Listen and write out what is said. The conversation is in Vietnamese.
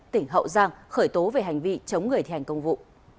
tỉnh hậu giang khởi tố về hành vi chống người thi hành công vụ